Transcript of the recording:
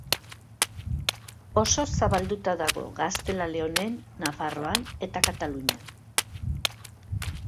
Oso zabalduta dago Gaztela-Leonen, Nafarroan eta Katalunian.